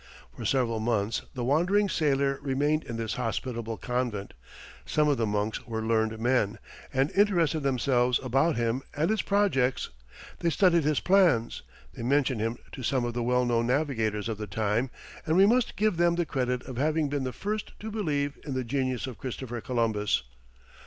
For several months the wandering sailor remained in this hospitable convent; some of the monks were learned men, and interested themselves about him and his projects; they studied his plans; they mentioned him to some of the well known navigators of the time; and we must give them the credit of having been the first to believe in the genius of Christopher Columbus.